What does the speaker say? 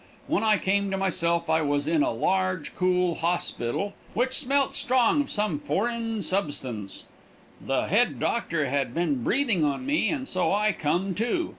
When I come to myself I was in a large, cool hosspital which smelt strong of some forrin substans. The hed doctor had been breathing on me and so I come too.